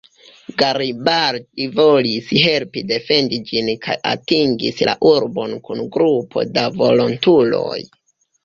Garibaldi volis helpi defendi ĝin kaj atingis la urbon kun grupo da volontuloj.